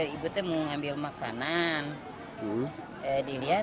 ibu itu mau ambil makanan